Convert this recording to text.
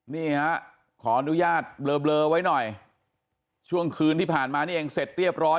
นี่ฮะขออนุญาตเบลอไว้หน่อยช่วงคืนที่ผ่านมานี่เองเสร็จเรียบร้อย